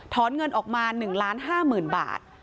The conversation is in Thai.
ถอนเงินออกมา๑ล้าน๕๐๐๐๐บาท